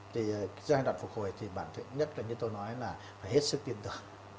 thì giai đoạn phục hồi thì bản thân nhất là như tôi nói là phải hết sức tin tưởng